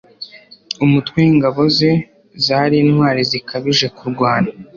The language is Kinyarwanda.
umutwe w'ingabo ze, zari intwari zikabije kurwana,